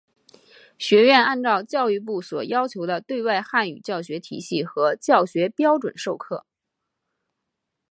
学院按照教育部所要求的对外汉语教学体系和教学标准授课。